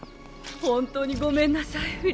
本当にごめんなさい